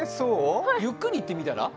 ゆっくり言ってみたら？